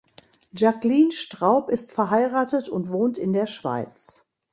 Jacqueline Straub ist verheiratet und wohnt in der Schweiz.